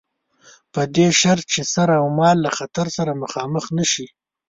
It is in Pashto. په دې شرط چې سر اومال له خطر سره مخامخ نه شي.